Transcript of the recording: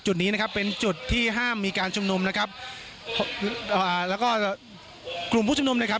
จุดนี้นะครับเป็นจุดที่ห้ามมีการชุมนุมนะครับอ่าแล้วก็กลุ่มผู้ชุมนุมนะครับ